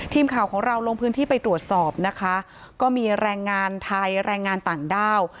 ทีมข่าวของเราลงพื้นที่ไปตรวจสอบนะคะก็มีแรงงานไทยแรงงานต่างด้าว